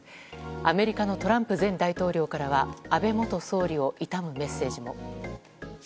アメリカのトランプ前大統領からは安倍元総理を悼むメッセージも。